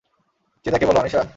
চিদাকে বলো-- আনিশা?